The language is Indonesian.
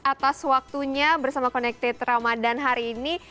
atas waktunya bersama connected ramadan hari ini